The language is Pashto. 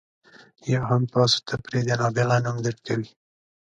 یا هم تاسو ته پرې د نابغه نوم درکوي.